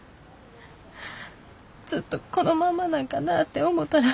ずっとこのままなんかなって思たら。